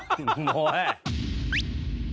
おい！